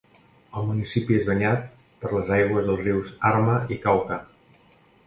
El municipi és banyat per les aigües dels rius Arma i Cauca.